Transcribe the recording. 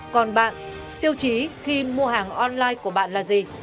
còn bạn tiêu chí khi mua hàng online của bạn là gì